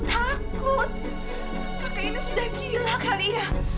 takut kakek ini sudah gila kali ya